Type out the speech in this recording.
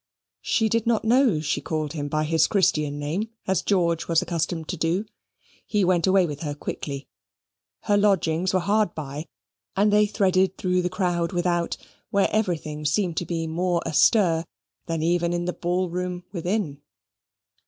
She did not know she called him by his Christian name, as George was accustomed to do. He went away with her quickly. Her lodgings were hard by; and they threaded through the crowd without, where everything seemed to be more astir than even in the ball room within.